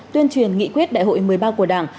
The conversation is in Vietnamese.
tuyên truyền nghị quyết đại hội một mươi ba của đảng